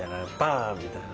みたいな。